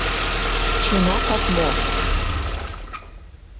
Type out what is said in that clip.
— Чынакак мо?!